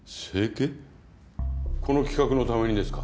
この企画のためにですか？